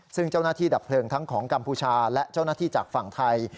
ซึ่งเจ้าหน้าที่ดับเพลิงทั้งของกัมพูชาและเจ้าหน้าที่จากฝั่งไทย